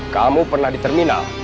kamu pernah di terminal